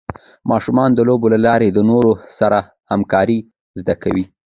ماشومان د لوبو له لارې د نورو سره همکارۍ زده کوي.